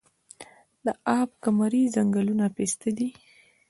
د اب کمري ځنګلونه پسته دي